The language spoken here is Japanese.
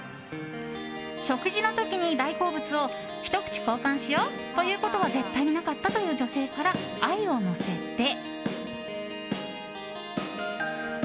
食事の時に大好物をひと口交換しようと言うことは絶対になかったという女性から愛を乗せて。